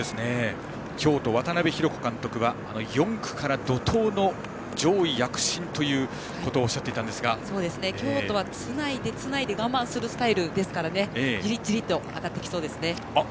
京都の渡部博子監督は４区から怒とうの上位躍進ということを京都はつないでつないで我慢するスタイルですからじりじりと上がってきそうですね。